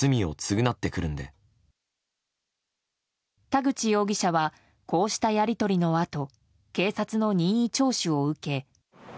田口容疑者はこうしたやり取りのあと警察の任意聴取を受け